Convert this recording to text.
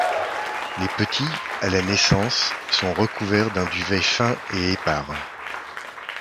Les petits, à la naissance, sont recouverts d'un duvet fin et épars.